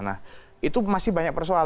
nah itu masih banyak persoalan